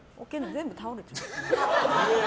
全部倒れちゃう。